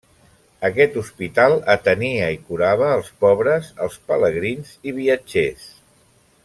Aquest hospital atenia i curava els pobres, els pelegrins i viatgers.